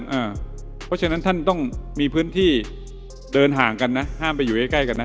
เพราะฉะนั้นท่านต้องมีพื้นที่เดินห่างกันนะห้ามไปอยู่ใกล้กันนะ